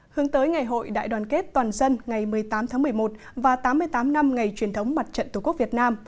hướng tới ngày hội đại đoàn kết toàn dân ngày một mươi tám tháng một mươi một và tám mươi tám năm ngày truyền thống mặt trận tổ quốc việt nam